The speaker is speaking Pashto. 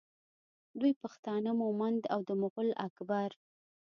دوی پښتانه مومند او د مغول اکبر